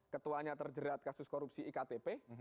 ketuanya terjerat kasus korupsi iktp